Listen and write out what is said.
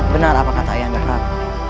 benar apa kata ayah dekat